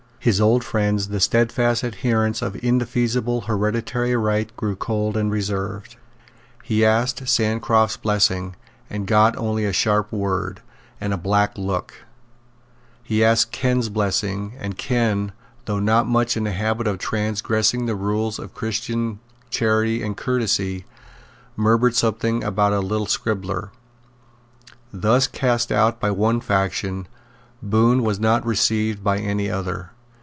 His old friends, the stedfast adherents of indefeasible hereditary right, grew cold and reserved. He asked Sancroft's blessing, and got only a sharp word, and a black look. He asked Ken's blessing; and Ken, though not much in the habit of transgressing the rules of Christian charity and courtesy, murmured something about a little scribbler. Thus cast out by one faction, Bohun was not received by any other.